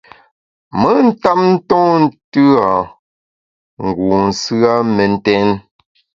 Me ntap ntonte a ngu nsù a mentèn.